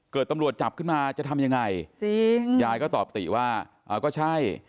ตำรวจจับขึ้นมาจะทำยังไงจริงยายก็ตอบติว่าก็ใช่